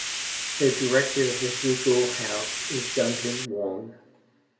The Director of Ezechiel House is Duncan Wong.